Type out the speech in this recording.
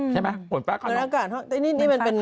ใช่ไหม